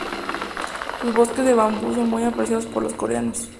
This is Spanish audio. Sus bosques de bambú son muy apreciados por los coreanos.